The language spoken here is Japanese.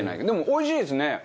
でも、おいしいですね。